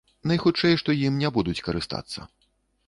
Найхутчэй, што ім не будуць карыстацца.